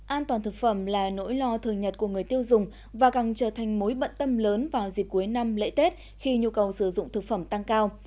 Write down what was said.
an toàn thực phẩm là nỗi lo thường nhật của người tiêu dùng và càng trở thành mối bận tâm lớn vào dịp cuối năm lễ tết khi nhu cầu sử dụng thực phẩm tăng cao